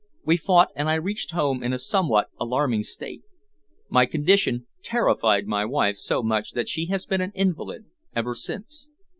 We fought, and I reached home in a somewhat alarming state. My condition terrified my wife so much that she has been an invalid ever since.